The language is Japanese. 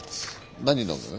何飲む？